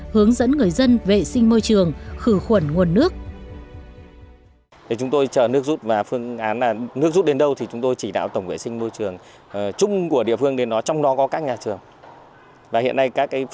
hướng dẫn người dân vệ sinh môi trường khử khuẩn nguồn nước